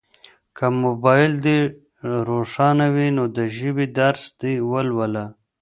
که موبایل دي روښانه وي نو د ژبې درس دي ولوله.